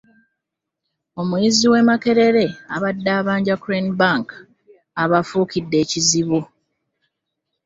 Omuyizi w'e Makerere abadde abanja Crane bank abafuukidde ekizibu.